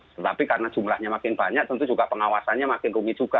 tetapi karena jumlahnya makin banyak tentu juga pengawasannya makin rumit juga